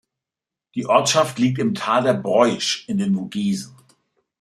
Die Ortschaft liegt im Tal der Breusch in den Vogesen.